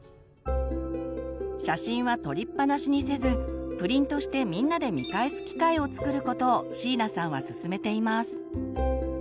写真は撮りっぱなしにせずプリントしてみんなで見返す機会をつくることを椎名さんはすすめています。